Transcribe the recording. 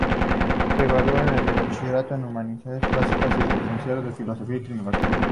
Se graduó de Bachiller en Humanidades Clásicas y de Licenciado en Filosofía y Teología.